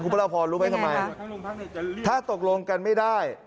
พระราพรรู้ไหมทำไมถ้าตกลงกันไม่ได้